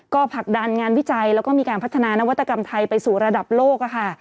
ก็ผลักดันงานวิจัยแล้วก็มีการพัฒนานวัตกรรมไทยไปสู่ระดับโลกค่ะ